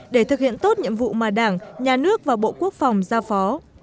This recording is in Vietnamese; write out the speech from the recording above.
để thực hiện tốt nhiệm vụ mà đảng nhà nước và bộ quốc phòng giao phó